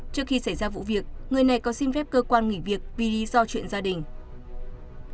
trước khi xảy ra vụ việc người này có xin phép cơ quan nghỉ việc vì lý do chuyện gia đình